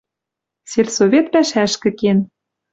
Сельсовет пӓшӓшкӹ кен.